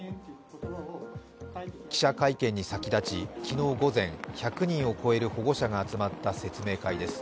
記者会見に先立ち昨日午前１００人を超える保護者が集まった説明会です。